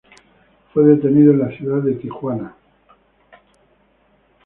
Fue detenido en la ciudad de Tijuana.